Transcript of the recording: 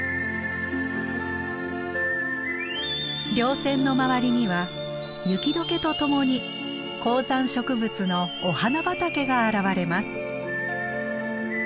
りょう線の周りには雪解けとともに高山植物のお花畑が現れます。